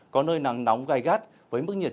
có nơi nắng nóng gai gắt với mức nhiệt